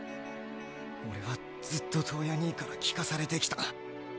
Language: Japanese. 俺はずっと燈矢兄から聞かされてきた。